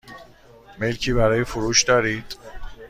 ملکی برای فروش دارید؟